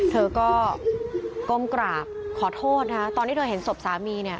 เธอก็ก้มกราบขอโทษนะตอนที่เธอเห็นศพสามีเนี่ย